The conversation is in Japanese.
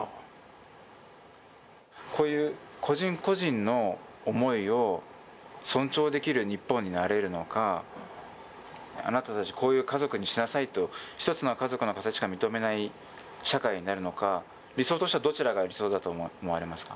こういう個人個人の思いを尊重できる日本になれるのかあなたたちこういう家族にしなさいと一つの家族の形しか認めない社会になるのか理想としてはどちらが理想だと思われますか？